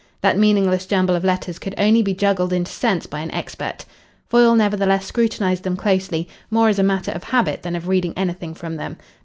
That meaningless jumble of letters could only be juggled into sense by an expert. Foyle nevertheless scrutinised them closely, more as a matter of habit than of reading anything from them.